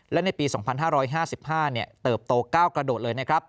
และในปี๒๕๕๕เติบโตก้าวกระโดดเลยนะครับ